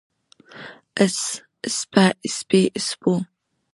اس، اسپه، اسپې، اسپو